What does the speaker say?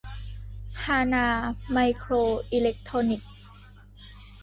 ฮานา ไมโครอิเล็คโทรนิคส